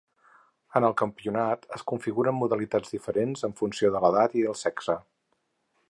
En el campionat es configuren modalitats diferents, en funció de l'edat i el sexe.